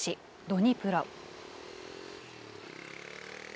ドニプロ。